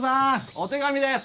お手紙です！